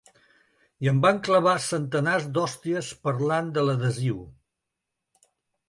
I em van clavar centenars d’hòsties parlant de l’adhesiu.